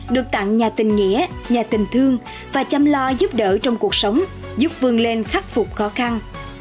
được tặng nhà tình nghĩa nhà tình thương và chăm lo giúp đỡ trong cuộc sống giúp vương lên khắc phục khó khăn